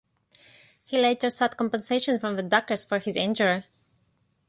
He later sought compensation from the Dockers for his injury.